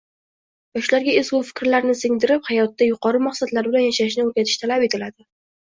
Yoshlarga ezgu fikrlarni singdirib, hayotda yuqori maqsadlar bilan yashashni o‘rgatish talab etiladi.